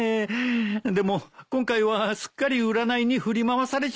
でも今回はすっかり占いに振り回されちゃいました。